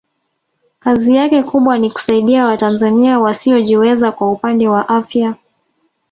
kazi yake kubwa ni kusaidia watanzania wasiojiweza kwa upande wa afya